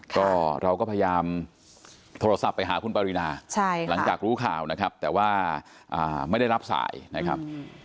ก็เราก็พยายามโทรศัพท์ไปหาคุณปรินาหลังจากรู้ข่าวนะครับแต่ว่าไม่ได้รับสายนะครับ